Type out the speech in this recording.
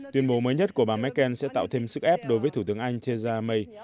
tuyên bố mới nhất của bà merkel sẽ tạo thêm sức ép đối với thủ tướng anh thera may